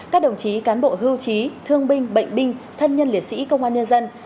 các đồng chí cán bộ hưu trí thương binh bệnh binh thân nhân liệt sĩ công an nhân dân